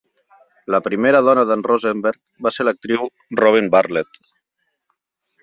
La primera dona de Rosenberg va ser l'actriu Robin Bartlett.